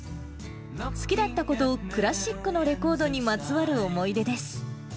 好きだった子とレコードにまつわる思い出です。